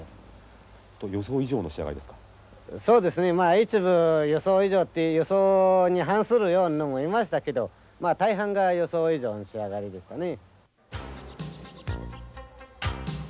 一部予想以上って予想に反するようなのもいましたけどまあ大半が予想以上の仕上がりでしたね。